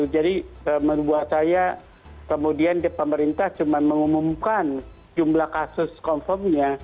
jadi membuat saya kemudian di pemerintah cuma mengumumkan jumlah kasus konfirmnya